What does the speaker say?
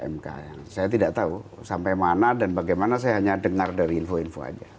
mk saya tidak tahu sampai mana dan bagaimana saya hanya dengar dari info info aja